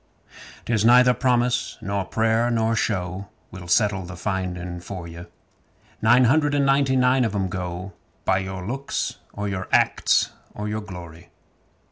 'Tis neither promise nor prayer nor show Will settle the finding for 'ee. Nine hundred and ninety nine of 'em go By your looks or your acts or your glory.